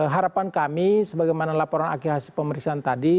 harapan kami sebagaimana laporan akhir hasil pemeriksaan tadi